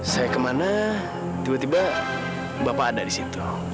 saya kemana tiba tiba bapak ada di situ